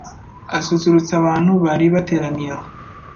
asusurutsa abantu bari bateraniye aho.